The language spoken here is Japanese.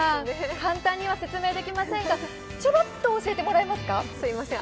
簡単には説明できませんが、ちょろっと教えてくださいませんか？